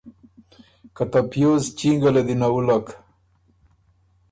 که ته پیوز چینګه له دی نَوُلّک۔